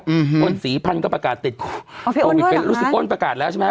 อืมฮืออ้นศรีพันธ์ก็ประกาศติดอ๋อพี่อ้นด้วยหรอครับรู้สึกอ้นประกาศแล้วใช่ไหมฮะ